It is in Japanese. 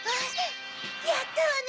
やったわね